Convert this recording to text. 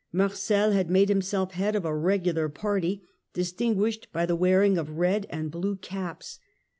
Marcel had made himself head of a regular party, distinguished by the wearing of red and blue caps.